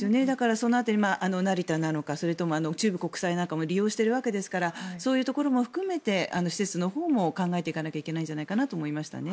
その辺り、成田なのかそれとも中部国際なんかも利用しているわけですからそういうところも含めて施設のほうも考えていかないといけないんじゃないかと思いましたね。